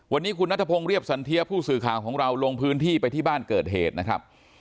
วันนี้คุณนัทพงศ์เรียบสันเทียผู้สื่อข่าวของเราลงพื้นที่ไปที่บ้านเกิดเหตุนะครับ